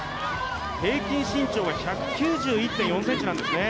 平均身長が１９１．４ｃｍなんですね。